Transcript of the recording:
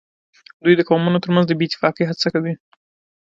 دوی د قومونو ترمنځ د بې اتفاقۍ هڅه کوي